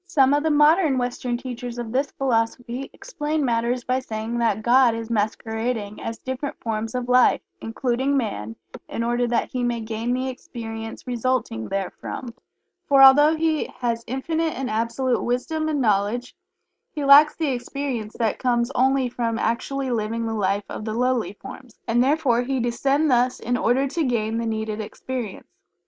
Some of the modern Western teachers of this philosophy explain matters by saying that "God is masquerading as different forms of life, including Man, in order that he may gain the experience resulting therefrom, for although He has Infinite and Absolute Wisdom and Knowledge, he lacks the experience that comes only from actually living the life of the lowly forms, and therefore He descend thus in order to gain the needed experience."